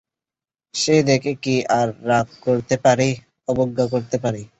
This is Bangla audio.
সে দেখে কি আর রাগ করতে পারি, অবজ্ঞা করতে পারি!